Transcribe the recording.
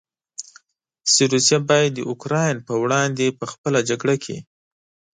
چې روسیه باید د اوکراین پر وړاندې په خپله جګړه کې.